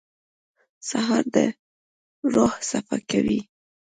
سهار د روح صفا کوي.